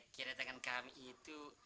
kedatangan kami itu